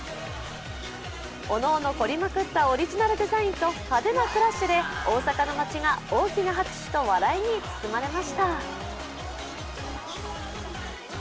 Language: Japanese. おのおの、こりまくったオリジナルデザインと派手なクラッシュで大阪の街が大きな拍手と笑いに包まれました。